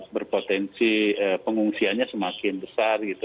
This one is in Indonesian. berpotensi pengungsiannya semakin besar gitu